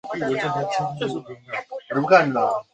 当时他的老师为林立三以及罗冠兰。